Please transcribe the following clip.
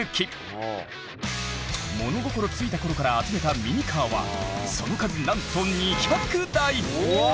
物心付いた頃から集めたミニカーはその数なんとわお！